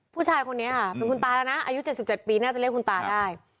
ผู้ชายคนนี้ค่ะเป็นคุณตาแล้วนะอายุ๗๗ปีน่าจะเรียกคุณตาได้